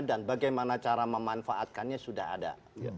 dan bagaimana cara memanfaatkannya sudah ada